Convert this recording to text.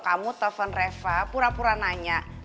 kamu telpon reva pura pura nanya